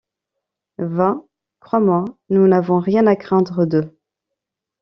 Va, crois-moi, nous n’avons rien à craindre d’eux!